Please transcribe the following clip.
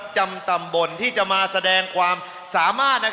จำตำบลที่จะมาแสดงความสามารถ